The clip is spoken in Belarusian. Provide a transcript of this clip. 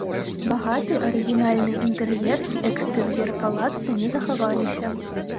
Багаты арыгінальны інтэр'ер і экстэр'ер палаца не захаваліся.